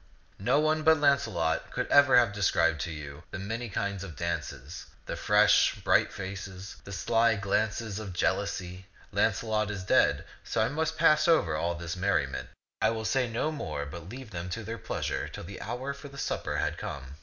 No one but Launcelot could ever have described to you the many kinds of dances, the fresh, bright faces, the sly glances of jeal ousy. Launcelot is dead, so I must pass over all this merriment. I will say no more, but leave them to their pleasure till the hour for the supper had come.